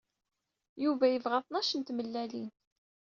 Yuba yebɣa tnac n tmellalin.